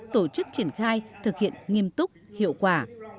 tổ chức triển khai thực hiện nghiêm túc hiệu quả